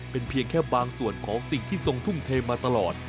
เป็นเพียงแค่บางส่วนของสิ่งที่ทรงทุ่มเทมาตลอด